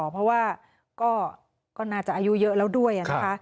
เพราะว่าก็น่าจะอายุเยอะแล้วด้วยนะคะ